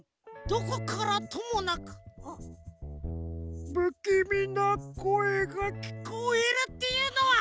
どこからともなくぶきみなこえがきこえるっていうのは！